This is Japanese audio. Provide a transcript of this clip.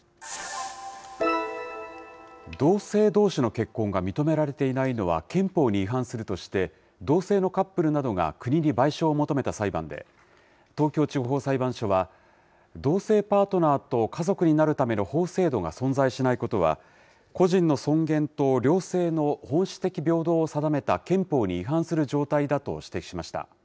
同性どうしの結婚が認められていないのは憲法に違反するとして、同性のカップルなどが国に賠償を求めた裁判で、東京地方裁判所は、同性パートナーと家族になるための法制度が存在しないことは、個人の尊厳と両性の本質的平等を定めた憲法に違反する状態だと指摘しました。